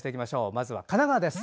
まずは神奈川です。